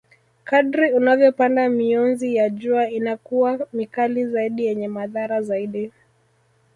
Kadri unavyopanda mionzi ya jua inakuwa mikali zaidi yenye madhara zaidi